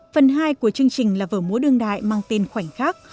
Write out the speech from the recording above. phần hai của chương trình là vở múa đương đại mang tên khoảnh khắc